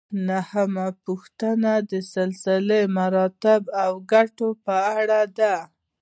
نهمه پوښتنه د سلسله مراتبو او ګټو په اړه ده.